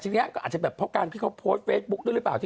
ที่เค้าโพสต์บทเฟสบค